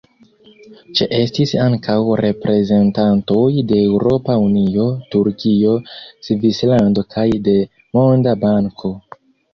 Ĉeestis ankaŭ reprezentantoj de Eŭropa Unio, Turkio, Svislando kaj de Monda Banko.